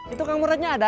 itu kamu renyah ada